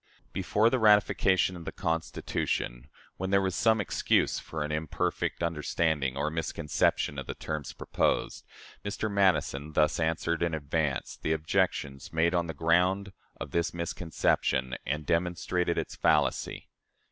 Before the ratification of the Constitution when there was some excuse for an imperfect understanding or misconception of the terms proposed Mr. Madison thus answered, in advance, the objections made on the ground of this misconception, and demonstrated its fallacy.